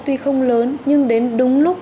tuy không lớn nhưng đến đúng lúc